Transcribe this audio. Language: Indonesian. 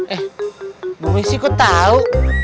eh mameshi kok tau